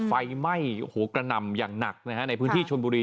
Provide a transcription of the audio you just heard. ไฟไหม้กระนำอย่างหนักในพื้นที่ชนบุรี